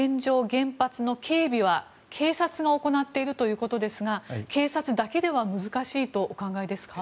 原発の警備は警察が行っているということですが警察だけでは難しいとお考えですか？